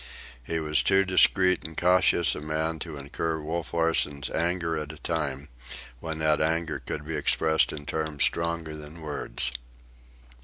He was too discreet and cautious a man to incur Wolf Larsen's anger at a time when that anger could be expressed in terms stronger than words.